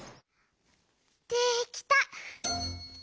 できた！